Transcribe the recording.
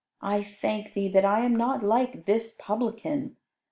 I thank Thee that I am not like this Publican.